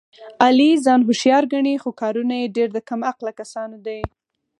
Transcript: علي ځان هوښیار ګڼي، خو کارونه یې ډېر د کم عقله کسانو دي.